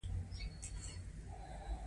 پایلې د نظریې ادعاوې تاییدوي.